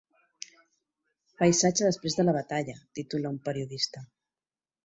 Paisatge després de la batalla, titula un periodista.